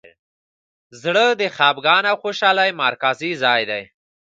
زړه د خفګان او خوشحالۍ مرکزي ځای دی.